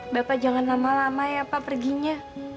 bapak jangan lama lama ya pak perginya